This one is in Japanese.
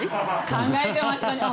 考えていましたか。